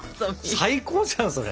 最高じゃんそれ。